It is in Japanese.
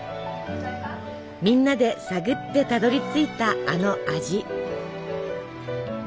みんなで探ってたどりついたあの味。